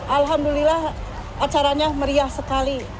alhamdulillah acaranya meriah sekali